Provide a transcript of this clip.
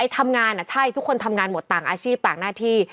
ทำงานหมดต่างอาชีพต่างหน้าที่